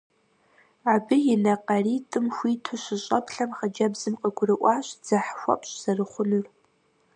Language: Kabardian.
Абы и нэ къаритӀым хуиту щыщӀэплъэм, хъыджэбзым къыгурыӀуащ дзыхь хуэпщӀ зэрыхъунур.